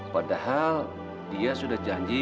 padahal dia sudah janji